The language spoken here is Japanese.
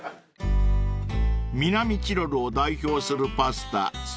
［南チロルを代表するパスタスペッツレ］